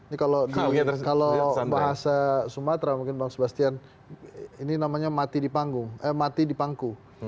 ini kalau bahasa sumatera mungkin bang sebastian ini namanya mati di pangku